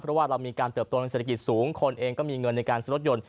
เพราะว่าเรามีการเติบโตในเศรษฐกิจสูงคนเองก็มีเงินในการซื้อรถยนต์